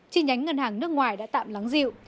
chi nhánh ngân hàng nước ngoài đã tạm lắng dịu